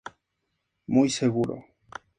Muy seguro.